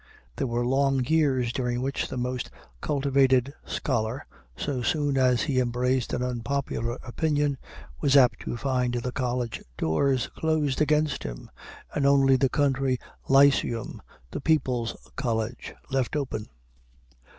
There were long years during which the most cultivated scholar, so soon as he embraced an unpopular opinion, was apt to find the college doors closed against him, and only the country lyceum the people's college left open.